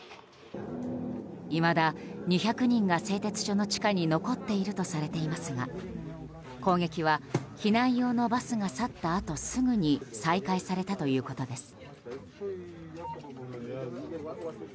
いまだ２００人が製鉄所の地下に残っているとされていますが攻撃は避難用のバスが去ったあと、すぐに再開されたということです。